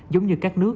giống như các nước